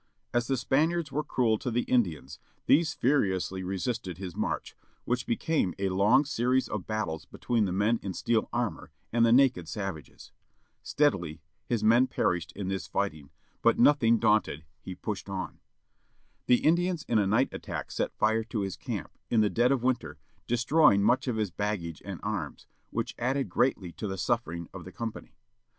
As the Spaniards were cruel to the Indians these fviriously resisted his march, which be came a long series of battles between the men in steel armour and the naked savages. Steadily his men perished in this fighting, but nothing daimted he pushed on. The Indians in a night attack set fire to his camp, in the dead of winter, destroying much of his baggage and arms, which added greatly to the suffering of the company.